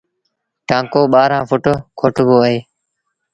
ٽآنڪو ٻآهرآن ڦٽ کوٽبو اهي۔